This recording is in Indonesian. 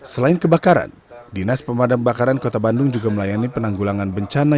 selain kebakaran dinas pemadam kebakaran kota bandung juga melayani penanggulangan bencana